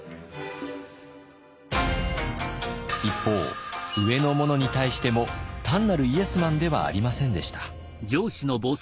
一方上の者に対しても単なるイエスマンではありませんでした。